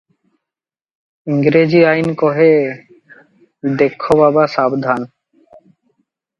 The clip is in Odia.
ଇଂରେଜୀ ଆଇନ କହେ, 'ଦେଖ ବାବା ସାବଧାନ!